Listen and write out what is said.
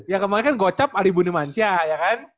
ya kemarin kan gocap adi bunimantia ya kan